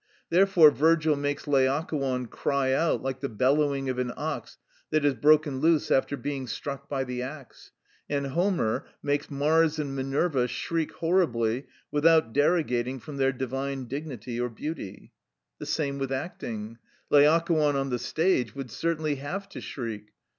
Therefore Virgil makes Laocoon cry out like the bellowing of an ox that has broken loose after being struck by the axe; and Homer (Il. xx. 48 53) makes Mars and Minerva shriek horribly, without derogating from their divine dignity or beauty. The same with acting; Laocoon on the stage would certainly have to shriek.